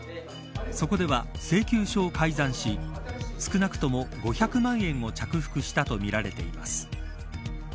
そこでは請求書を改ざんし少なくとも５００万円を着服したとみられています。